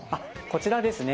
こちらですね